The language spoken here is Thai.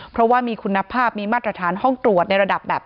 เพราะว่ามีคุณภาพมีมาตรฐานห้องตรวจในระดับแบบ